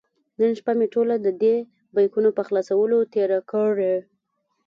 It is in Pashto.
نن شپه مې ټوله د دې بیکونو په خلاصولو تېره کړې.